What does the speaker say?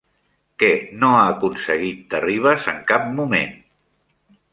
Què no ha aconseguit Terribas en cap moment?